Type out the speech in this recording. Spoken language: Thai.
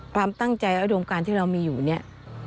ความตั้งใจและอุดมการที่เรามีอยู่เนี่ย